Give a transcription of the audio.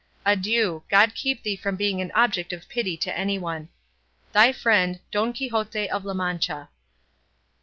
Adieu; God keep thee from being an object of pity to anyone. Thy friend, DON QUIXOTE OF LA MANCHA.